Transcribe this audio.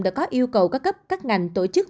đã có yêu cầu các cấp các ngành tổ chức